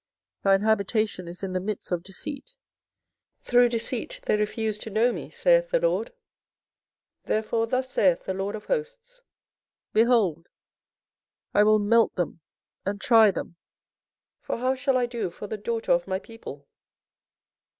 24:009:006 Thine habitation is in the midst of deceit; through deceit they refuse to know me, saith the LORD. 24:009:007 Therefore thus saith the LORD of hosts, Behold, I will melt them, and try them; for how shall I do for the daughter of my people?